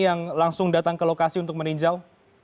yang langsung datang ke lokasi untuk meninjau